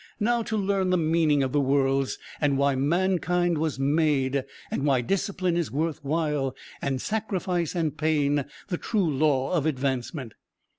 Now to learn the meaning of the worlds, and why mankind was made, and why discipline is worth while, and sacrifice and pain the true law of advancement."